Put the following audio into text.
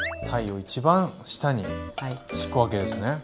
たいを一番下に敷くわけですね。